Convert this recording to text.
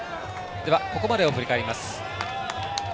ここまでを振り返ります。